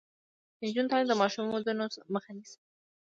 د نجونو تعلیم د ماشوم ودونو مخه نیسي.